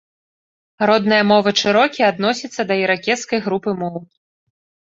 Родная мова чэрокі адносіцца да іракезскай групы моў.